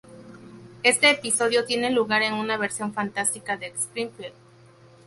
Este episodio tiene lugar en una versión fantástica de Springfield.